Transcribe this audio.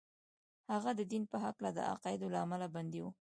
هغه د دين په هکله د عقايدو له امله بندي و.